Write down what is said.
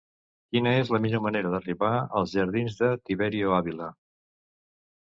Quina és la millor manera d'arribar als jardins de Tiberio Ávila?